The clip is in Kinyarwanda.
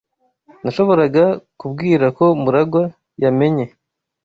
Nashoboraga kubwira ko MuragwA yamenye.